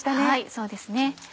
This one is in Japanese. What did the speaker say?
そうですね。